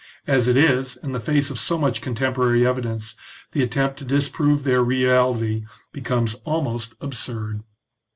As it is, in the face of so much contemporary evidence, the attempt to disprove their reality becomes almost absurd.